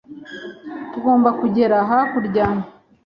Tugomba kugera hakurya.